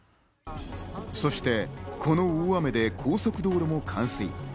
そして、この大雨で高速道路も冠水。